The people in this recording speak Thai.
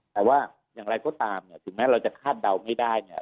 แต่ว่าอย่างไรก็ตามเนี่ยถึงแม้เราจะคาดเดาไม่ได้เนี่ย